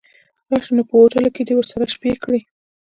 راشه نو په هوټلو کې دې ورسره شپې کړي.